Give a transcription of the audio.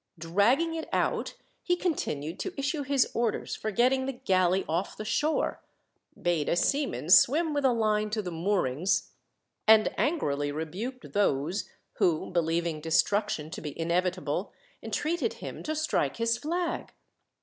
Dragging it out, he continued to issue his orders for getting the galley off the shore bade a seaman swim with a line to the moorings, and angrily rebuked those who, believing destruction to be inevitable, entreated him to strike his flag.